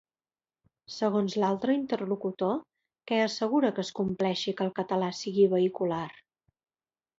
Segons l'altre interlocutor, què assegura que es compleixi que el català sigui vehicular?